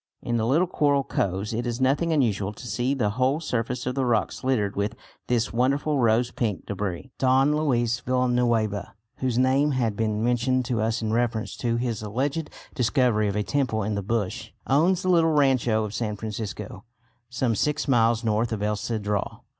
In the little coral coves it is nothing unusual to see the whole surface of the rocks littered with this wonderful rose pink debris. Don Luis Villanueva, whose name had been mentioned to us in reference to his alleged discovery of a temple in the bush, owns the little rancho of San Francisco, some six miles north of El Cedral.